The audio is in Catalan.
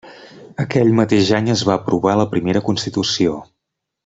Aquell mateix any es va aprovar la primera constitució.